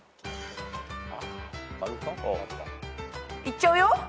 いっちゃうよ。